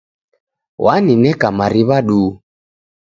Wanineka mariw'a duu.